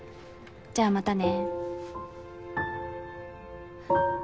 じゃあまたね。